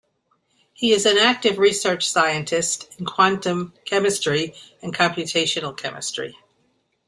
He is an active research scientist in quantum chemistry and computational chemistry.